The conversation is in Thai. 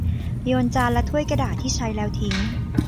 โยนจานและถ้วยกระดาษที่ใช้แล้วทิ้ง